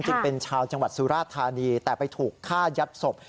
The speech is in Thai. จริงเป็นชาวจังหวัดสุราธานีแต่ไปถูกฆ่ายัดศพ